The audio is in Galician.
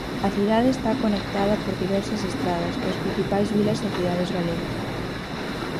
A cidade está conectada por diversas estradas coas principais vilas e cidades galegas.